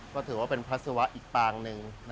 ก็ถือว่าเป็นพัสวะอีกปางหนึ่ง